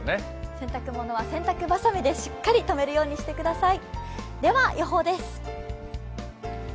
洗濯物は洗濯ばさみでしっかりとめるようにしてください。